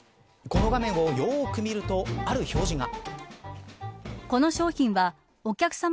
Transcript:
この画面をよく見るとある表示が。